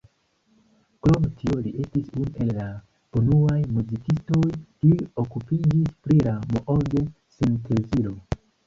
Krom tio li estis unu el la unuaj muzikistoj, kiuj okupiĝis pri la Moog-sintezilo.